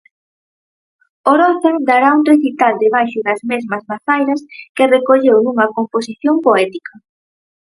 Oroza dará un recital debaixo das mesmas mazairas que recolleu nunha composición poética.